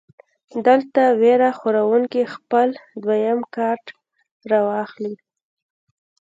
دلته وېره خوروونکے خپل دويم کارډ راواخلي -